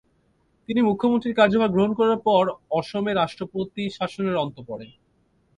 তিনি মুখ্যমন্ত্রীর কার্যভার গ্রহণ করার পর অসমে রাষ্ট্রপতি শাসনের অন্ত পরে।